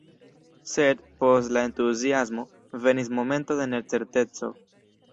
Sed, post la entuziasmo, venis momento de necerteco.